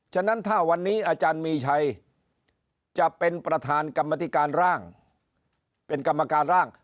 ฉะนั้นถ้าวันนี้อาจารย์มีชัยจะเป็นกรรมการร่าง